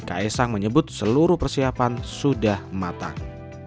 ka esang menyebut seluruh persiapan sudah matang